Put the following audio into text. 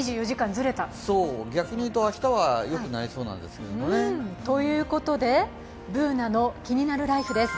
逆に言うと明日は良くなりそうですね。ということで「ＢｏｏｎａのキニナルＬＩＦＥ」です。